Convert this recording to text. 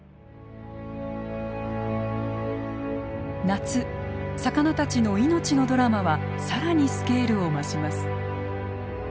夏魚たちの命のドラマは更にスケールを増します。